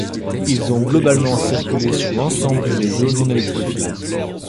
Ils ont globalement circulé sur l'ensemble du réseau non électrifié.